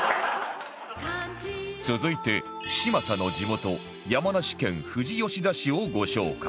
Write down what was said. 続いて嶋佐の地元山梨県富士吉田市をご紹介